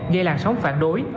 gây làn sóng phản đối